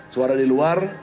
suara di luar